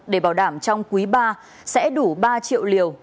để bảo đảm trong quý ba sẽ đủ ba triệu liều